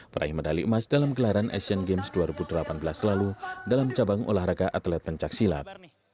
peraih medali emas dalam gelaran asian games dua ribu delapan belas lalu dalam cabang olahraga atlet pencaksilat